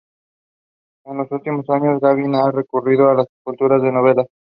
En los últimos años, Gavin ha recurrido a la escritura de novelas.